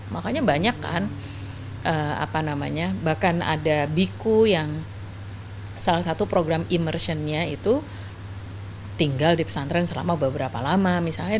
makanya banyak kan apa namanya bahkan ada biku yang salah satu program imersionnya itu tinggal di pesantren selama beberapa lama misalnya